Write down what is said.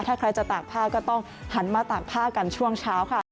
ถ้าใครจะตากผ้าก็ต้องหันมาตากผ้ากันช่วงเช้าค่ะ